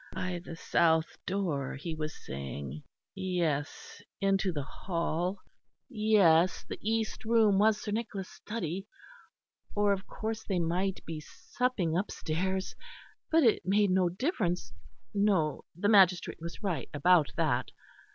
By the south door, he was saying, yes, into the hall. Yes, the East room was Sir Nicholas' study; or of course they might be supping upstairs. But it made no difference; no, the magistrate was right about that.